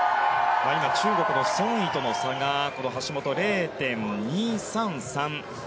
中国のソン・イとの差が橋本は０．２３３。